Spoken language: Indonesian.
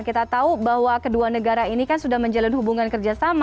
kita tahu bahwa kedua negara ini kan sudah menjalin hubungan kerjasama